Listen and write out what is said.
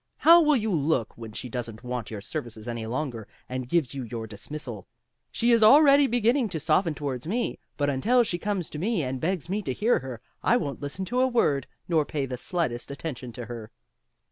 How will you look when she doesn't want your services any longer, and gives you your dismissal? She is already beginning to soften towards me, but until she comes to me and begs me to hear her, I won't listen to a word, nor pay the slightest attention to her."